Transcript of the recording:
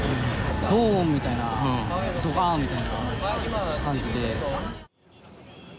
どーんみたいな、どかーんみたいな感じで。